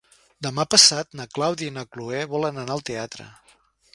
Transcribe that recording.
Demà passat na Clàudia i na Cloè volen anar al teatre.